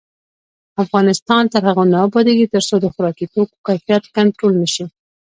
افغانستان تر هغو نه ابادیږي، ترڅو د خوراکي توکو کیفیت کنټرول نشي.